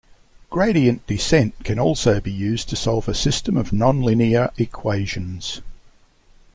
Gradient descent can also be used to solve a system of nonlinear equations.